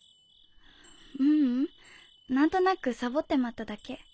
ううん何となくサボってまっただけ。